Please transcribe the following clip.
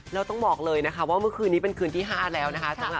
แล้วต้องบอกเลยนะคะว่าเมื่อคืนนี้เป็นคืนที่๕แล้วนะคะ